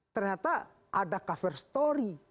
ternyata ada cover story